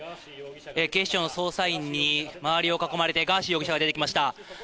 警視庁の捜査員に周りを囲まれて、ガーシー容疑者が出てきました。